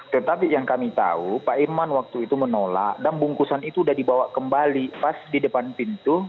tetapi yang kami tahu pak irman waktu itu menolak dan bungkusan itu sudah dibawa kembali pas di depan pintu